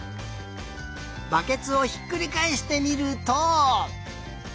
バケツをひっくりかえしてみると。